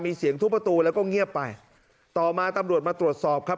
มีเสียงทุบประตูแล้วก็เงียบไปต่อมาตำรวจมาตรวจสอบครับ